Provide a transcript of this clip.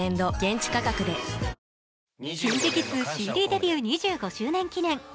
ＫｉｎＫｉＫｉｄｓ、ＣＤデビュー２５周年記念。